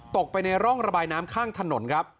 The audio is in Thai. ตกไปในร่องระบายน้ำข้างถนนครับ